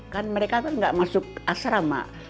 kan mereka kan nggak masuk asrama